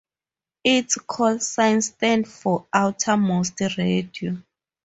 Its call-sign stands for "OuterMost Radio".